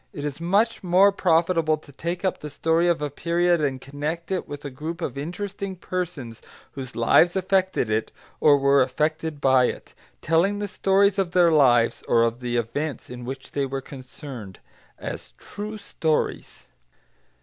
It is much more profitable to take up the story of a period and connect it with a group of interesting persons whose lives affected it or were affected by it, telling the stories of their lives, or of the events in which they were concerned, as "true stories."